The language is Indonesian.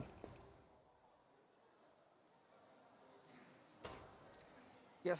selamat siang rio